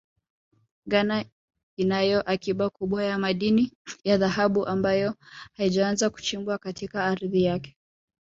Ghana inayo akiba kubwa ya madini ya dhahabu ambayo haijaanza kuchimbwa katika ardhi yake